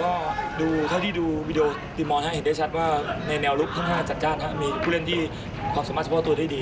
ก็ดูถ้าที่ดูวีดีโอติมอลให้เห็นได้ชัดว่าในแนวลุคทั้งห้าจัดจ้านครับมีผู้เรียนที่ความสามารถชอบความตัวได้ดี